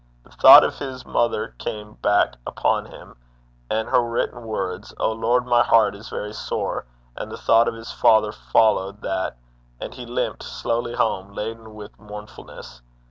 The thought of his mother came back upon him, and her written words, 'O Lord, my heart is very sore'; and the thought of his father followed that, and he limped slowly home, laden with mournfulness.